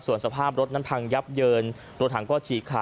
ส่วนสภาพรถนั้นพังยับเยินตัวถังก็ฉีกขาด